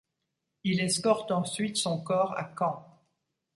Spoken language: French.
Il escorte ensuite son corps à Caen.